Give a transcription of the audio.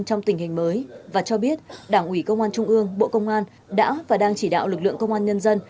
trong tình hình mới và cho biết đảng ủy công an trung ương bộ công an đã và đang chỉ đạo lực lượng công an nhân dân